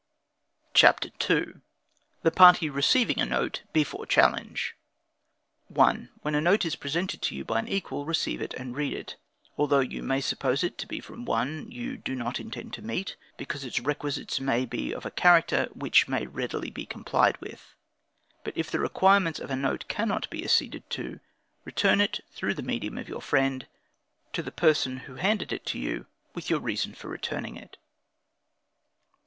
CHAPTER II. The Party Receiving a Note Before Challenge. 1. When a note is presented to you by an equal, receive it, and read it, although you may suppose it to be from one you do not intend to meet, because its requisites may be of a character which may readily be complied with. But if the requirements of a note cannot be acceded to, return it, through the medium of your friend, to the person who handed it to you, with your reason for returning it.